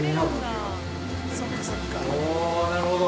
◆なるほど！